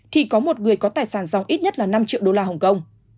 thì có một người có tài sản dòng ít nhất là năm triệu đô la hồng kông